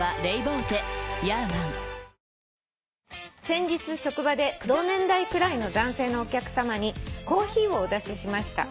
「先日職場で同年代くらいの男性のお客さまにコーヒーをお出ししました」